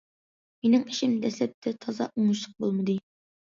مېنىڭ ئىشىم دەسلەپتە تازا ئوڭۇشلۇق بولمىدى.